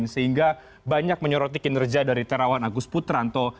sehingga banyak menyorotikin reja dari terawan agus putranto